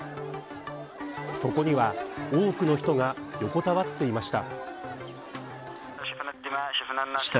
そこには多くの人が横たわっていました。